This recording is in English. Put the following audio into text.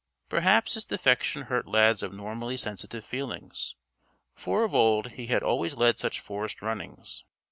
Perhaps this defection hurt Lad's abnormally sensitive feelings. For of old he had always led such forest runnings.